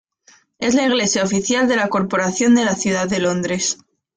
Es la iglesia oficial de la Corporación de la Ciudad de Londres.